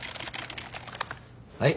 はい。